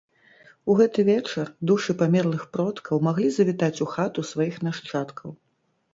У гэты вечар душы памерлых продкаў маглі завітаць у хату сваіх нашчадкаў.